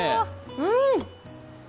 うん！